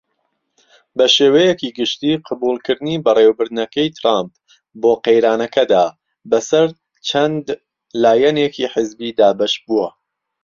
بەشێوەیەکی گشتی قبوڵکردنی بەڕێوبردنەکەی تڕامپ بۆ قەیرانەکەدا بە سەر چەند لایەنێکی حزبی دابەش بووە.